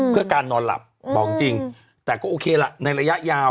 เพื่อการนอนหลับบอกจริงแต่ก็โอเคละในระยะยาว